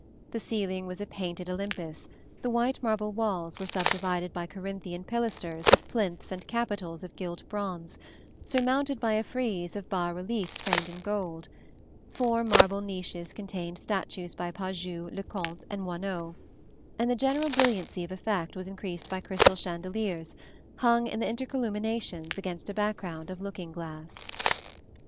The ceiling was a painted Olympus; the white marble walls were subdivided by Corinthian pilasters with plinths and capitals of gilt bronze, surmounted by a frieze of bas reliefs framed in gold; four marble niches contained statues by Pajou, Lecomte, and Moineau; and the general brilliancy of effect was increased by crystal chandeliers, hung in the intercolumniations against a background of looking glass.